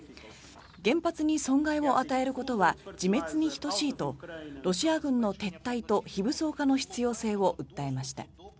原発に損害を与えることは自滅に等しいとロシア軍の撤退と非武装化の必要性を訴えました。